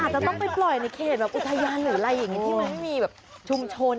จะต้องไปปล่อยในเขตแบบอุทยานหรืออะไรอย่างนี้ที่มันไม่มีแบบชุมชน